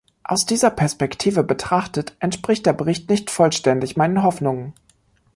Aus dieser Perspektive betrachtet, entspricht der Bericht nicht vollständig meinen Hoffnungen.